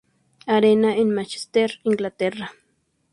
Arena en Mánchester, Inglaterra.